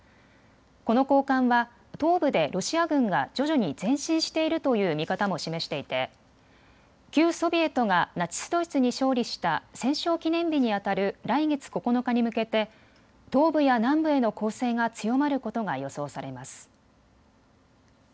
この高官は東部でロシア軍が徐々に前進しているという見方も示していて旧ソビエトがナチス・ドイツに勝利した戦勝記念日にあたる来月９日に向けて東部や南部への攻勢が強まることが予想されます。